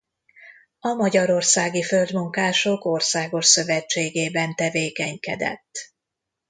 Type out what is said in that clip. A Magyarországi Földmunkások Országos Szövetségében tevékenykedett.